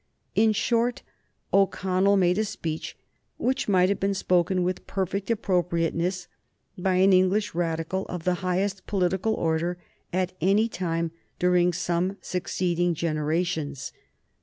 In short, O'Connell made a speech which might have been spoken with perfect appropriateness by an English Radical of the highest political order at any time during some succeeding generations.